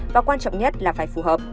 và quan trọng nhất là phải phù hợp